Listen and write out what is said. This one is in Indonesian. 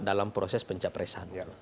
dalam proses pencapresan